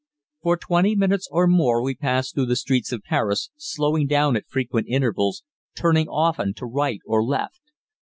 For twenty minutes or more we passed through the streets of Paris, slowing down at frequent intervals, turning often to right or left.